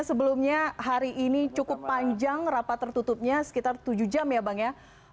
sebelumnya hari ini cukup panjang rapat tertutupnya sekitar tujuh jam ya bang ya